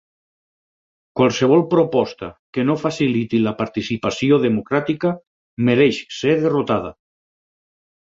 Qualsevol proposta que no faciliti la participació democràtica mereix ser derrotada.